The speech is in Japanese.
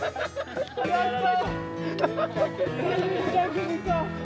やった。